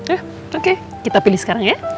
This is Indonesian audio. oke kita pilih sekarang ya